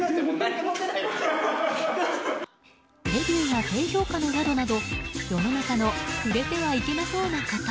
レビューが低評価の宿など世の中の触れてはいけなそうなこと